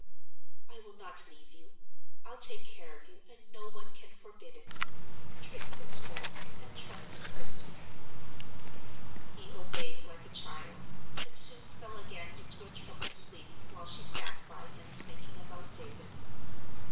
"I will not leave you: I'll take care of you, and no one can forbid it. Drink this, Philip, and trust to Christie." He obeyed like a child, and soon fell again into a troubled sleep while she sat by him thinking about David.